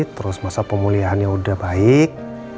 terus masa pemulihannya udah baik